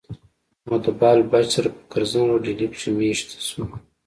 او د بال بچ سره پۀ کرزن روډ ډيلي کښې ميشته شو